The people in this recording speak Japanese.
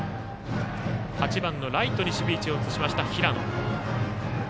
８番のライトに守備位置を移しました、平野。